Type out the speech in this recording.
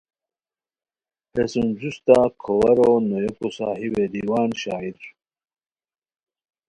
ہے سُم جوستہ کھوارو نویوکو صاحبِ دیوان شاعر